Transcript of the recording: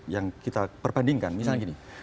yang kita perbandingkan misalnya gini